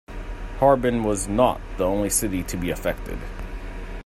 Harbin was not the only city to be affected.